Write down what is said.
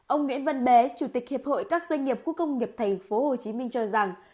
ông nguyễn văn bé chủ tịch hiệp hội các doanh nghiệp khu công nghiệp tp hcm cho rằng